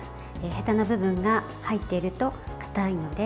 へたの部分が入っているとかたいので。